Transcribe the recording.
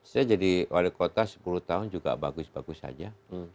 saya jadi wali kota sepuluh tahun juga bagus bagus saja